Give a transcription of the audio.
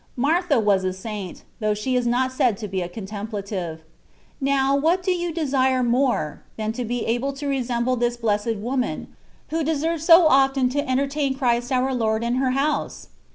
Martha was a saint, though she is not said to be a con templative. Now, what do you desire more, than to be able to resemble this Blessed woman, who deserved so often to entertain Christ our Lord in her House